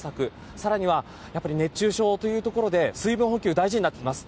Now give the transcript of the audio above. さらには、熱中症というところで水分補給、大事になってきます。